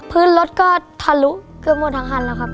พื้นรถก็ทะลุเกือบหมดทั้งคันแล้วครับ